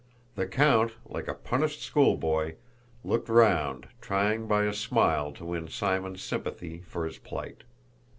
The count, like a punished schoolboy, looked round, trying by a smile to win Simon's sympathy for his plight.